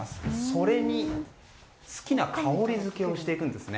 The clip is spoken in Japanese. それに好きな香りづけをしていくんですね。